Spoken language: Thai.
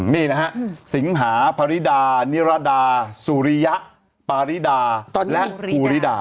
นี่นะฮะสิงหาพริดานิรดาสุริยะปาริดาและภูริดา